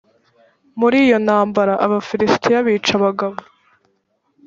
muri iyo ntambara abafilisitiya bica abagabo